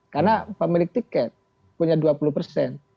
karena pemilik tiket punya dua puluh persen